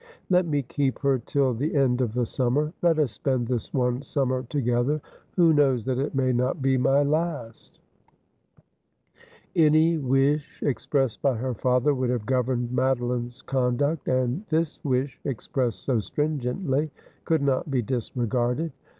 ' Let me keep her till the end of the summer. Let us spend this one summer together. Who knows that it may not be my last ?' Any wish expressed by her father would have governed Madoline's conduct, and this wish, expressed so stringently, could not be disregarded.